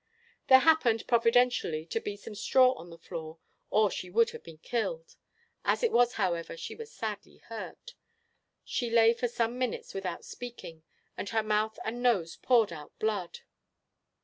There happened providentially to be some straw on the floor, or she would have been killed. As it was, however, she was sadly hurt; she lay for some minutes without speaking, and her mouth and nose poured out blood.